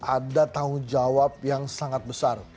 ada tanggung jawab yang sangat besar